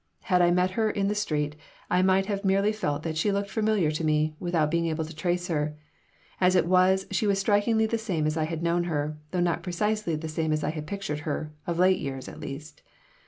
Had I met her in the street, I might have merely felt that she looked familiar to me, without being able to trace her. As it was, she was strikingly the same as I had known her, though not precisely the same as I had pictured her, of late years, at least.